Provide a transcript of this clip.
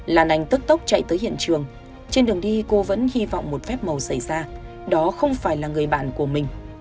lan anh tức tốc chạy tới hiện trường trên đường đi cô vẫn hy vọng một phép màu xảy ra đó không phải là người bạn của mình